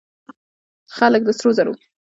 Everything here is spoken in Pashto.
خلک د سرو زرو لپاره شمال ته لاړل.